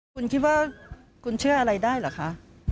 คุณคิดว่าคุณเชื่ออะไรได้เหรอคะ